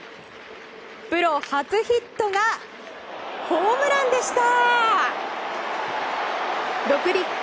プロ初ヒットがホームランでした！